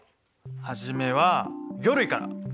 初めは魚類から。